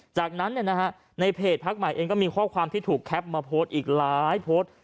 จากนั้นในเพจพักใหม่เองก็มีข้อความที่ถูกแคปมาโพสต์อีกหลายโพสต์